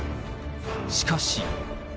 しかし。